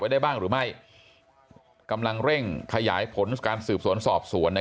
ได้บ้างหรือไม่กำลังเร่งขยายผลการสืบสวนสอบสวน